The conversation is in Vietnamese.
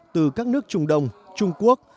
từ các nước trung đông trung quốc